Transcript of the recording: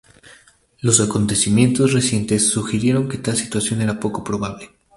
Los acontecimientos recientes sugirieron que tal situación era poco probable.